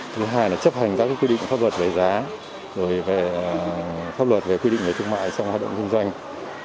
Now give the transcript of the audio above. thứ hai là chấp hành các quy định pháp luật về giá rồi về pháp luật về quy định về thương mại trong hoạt động kinh doanh